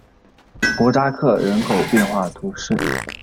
博扎克人口变化图示